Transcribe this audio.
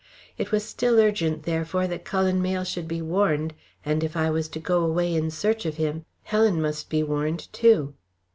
It was still urgent, therefore, that Cullen Mayle should be warned, and if I was to go away in search of him, Helen must be warned too.